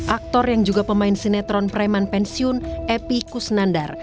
aktor yang juga pemain sinetron preman pensiun epi kusnandar